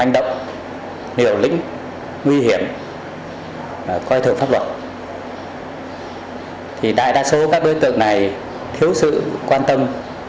thì đại đa số các đối tượng này thiếu sự quan tâm